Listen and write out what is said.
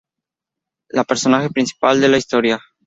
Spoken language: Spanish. La personaje principal de la historia.